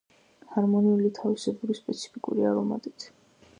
ჰარმონიული, თავისებური სპეციფიკური არომატით.